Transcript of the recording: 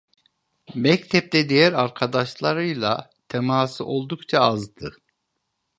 Mektepte diğer arkadaşlarıyla teması oldukça azdı.